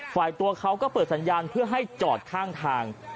ตัวเขาก็เปิดสัญญาณเพื่อให้จอดข้างทาง